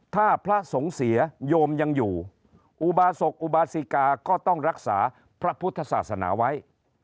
ถ้าพระสงฆ์เสียโยมยังอยู่อุบาศกอุบาสิกาก็ต้องรักษาพระพุทธศาสนาไว้